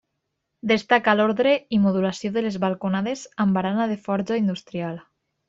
Destaca l'ordre i modulació de les balconades amb barana de forja industrial.